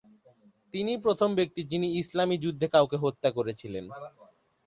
তিনিই প্রথম ব্যক্তি যিনি ইসলামী যুদ্ধে কাউকে হত্যা করেছিলেন।